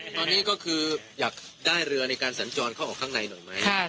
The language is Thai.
ตอนนี้ก็คืออยากได้เรือในการสัญจรเข้าออกข้างในหน่อยไหม